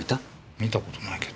見た事ないけど。